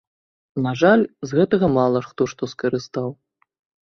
На жаль, з гэтага мала хто што скарыстаў.